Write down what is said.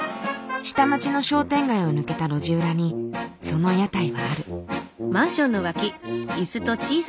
下町の商店街を抜けた路地裏にその屋台はある。